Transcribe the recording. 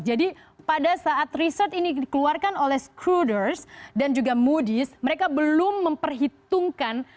jadi pada saat riset ini dikeluarkan oleh scrooders dan juga moody's mereka belum memperhitung